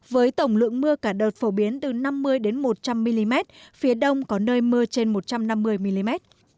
với tổng lượng mưa cả đợt phổ biến từ năm mươi một trăm linh mm phía đông có nơi mưa trên một trăm năm mươi mm